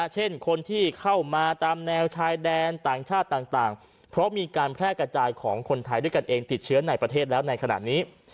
เช่นคนที่เข้ามาตามแนวชายแดนต่างชาติต่างเพราะมีการแพร่กระจายของคนไทยด้วยกันเองติดเชื้อในประเทศแล้วในขณะนี้